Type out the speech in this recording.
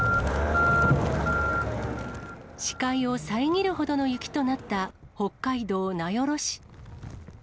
視界を遮るほどの雪となった北海道名寄市。